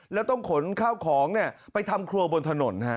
แล้วต้องขนข้าวของเนี่ยไปทำครัวบนถนนนะฮะ